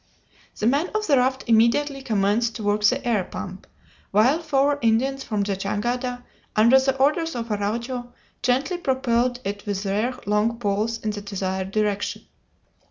The men on the raft immediately commenced to work the air pump, while four Indians from the jangada, under the orders of Araujo, gently propelled it with their long poles in the desired direction.